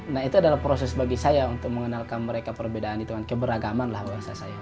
nah itu adalah proses bagi saya untuk mengenalkan mereka perbedaan itu kan keberagaman lah bahasa saya